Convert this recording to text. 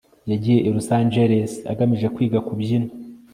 yagiye i los angeles agamije kwiga kubyina